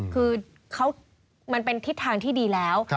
คือมันเป็นทิศทางที่ดีแล้ว